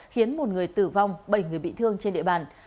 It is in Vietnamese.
khiến một người tử vong bảy người bị thương trên địa bàn